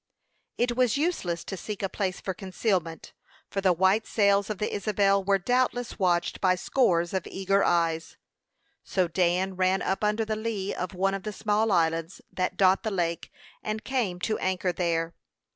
It was useless to seek a place for concealment, for the white sails of the Isabel were doubtless watched by scores of eager eyes; so Dan ran up under the lee of one of the small islands that dot the lake, and came to anchor there.